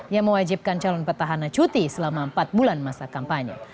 yang mewajibkan calon petahana cuti selama empat bulan masa kampanye